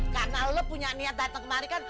karena lo punya niat datang kemari kan